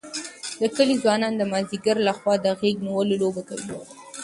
د کلي ځوانان د مازدیګر لخوا د غېږ نیونې لوبه کوي.